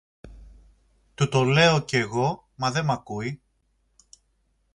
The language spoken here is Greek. Του το λέγω κι εγώ μα δε μ' ακούει.